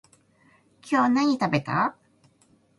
今日何食べた？